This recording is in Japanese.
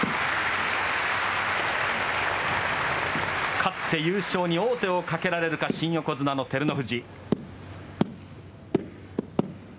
かつて優勝に王手をかけられるか新横綱の照ノ富士。